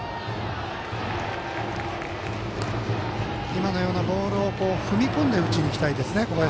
今のようなボールを踏み込んで打ちにいきたいですね。